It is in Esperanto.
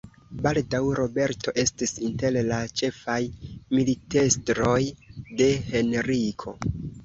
Baldaŭ Roberto estis inter la ĉefaj militestroj de Henriko.